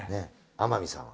天海さんは。